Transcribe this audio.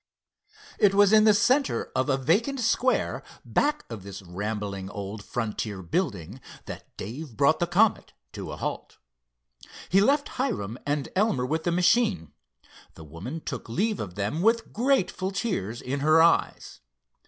It was in the center of a vacant square back of this rambling old frontier building, that Dave brought the Comet to a halt. He left Hiram and Elmer with the machine. The woman took leave of them with grateful tears in her eyes.